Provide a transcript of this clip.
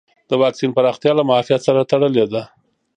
د واکسین پراختیا له معافیت سره تړلې ده.